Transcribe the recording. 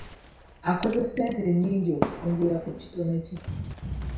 Akoze ssente nnyingi okusinzira ku kitone kye.